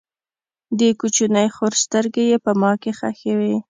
د کوچنۍ خور سترګې یې په ما کې خښې وې